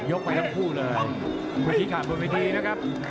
ยกไปทั้งคู่เลยวิธีขาดบนวิธีนะครับ